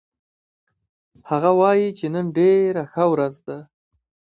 هغه وایي چې نن ډېره ښه ورځ ده